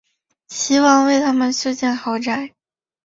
齐王为他们修建豪宅。